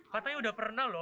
belum katanya sudah pernah lho